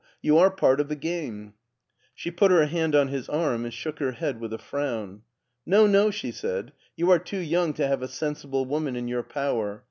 You are part of the game !" She put her hand on his arm and shook her head with a frown. " No, no," she said ;" you are too young to have a sensible woman in your power.